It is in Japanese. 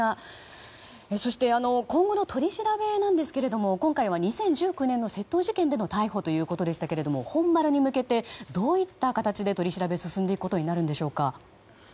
そして、今後の取り調べなんですけれども今回は２０１９年の窃盗事件での逮捕ということでしたけれども本丸に向けてどういった形で取り調べ進むのでしょうか？